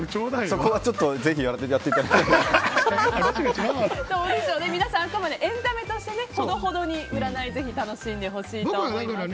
そこは皆さんあくまでエンタメとしてほどほどに占いを楽しんでほしいなと思います。